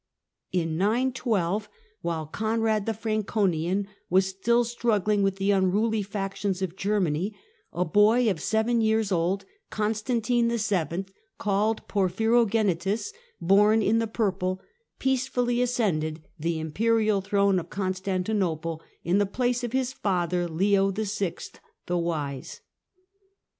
Constan In 912, while Conrad the Franconian was still Porphyro' Struggling with the unruly factions of Germany, a 912^958' ^^y ^^ seven years old, Constantine VII., called Por phyrogenitus (bor7i m the purple), peacefully ascended the imperial throne of Constantinople, in the place of his father, Leo VI., " the Wise."